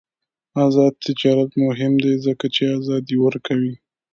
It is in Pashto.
آزاد تجارت مهم دی ځکه چې ازادي ورکوي.